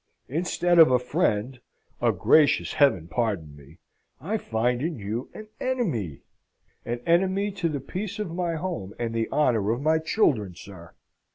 Instead of a friend a gracious Heaven pardon me! I find in you an enemy! An enemy to the peace of my home and the honour of my children, sir!